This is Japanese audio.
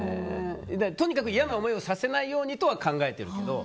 とにかく嫌な思いをさせないようにとは考えてるけど。